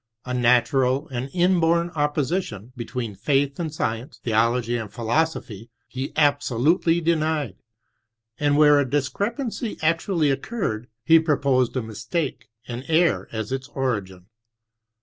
A natural and inborn opposition between faith and science, theology and phflosophy. (645) UASCHM he abflolutely denied, and where a discrepancy actually occurred, he presupposed a mistake, an error as its origin.